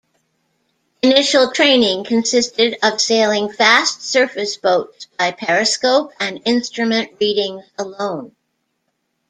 Initial training consisted of sailing fast surface boats by periscope and instrument readings alone.